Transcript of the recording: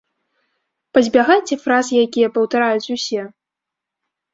Пазбягайце фраз, якія паўтараюць усе.